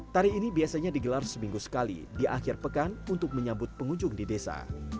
tari ini biasanya digelar seminggu sekali di akhir pekan untuk menyambut pengunjung di desa